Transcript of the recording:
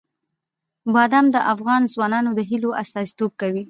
بادام د افغان ځوانانو د هیلو استازیتوب کوي.